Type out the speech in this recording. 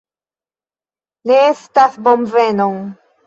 Ne estas bonvenon